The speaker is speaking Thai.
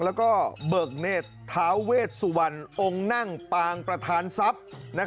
แล้วก็เบิกเนธท้าเวชสุวรรณองค์นั่งปางประธานทรัพย์